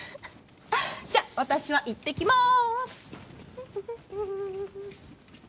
じゃ、私は行ってきます。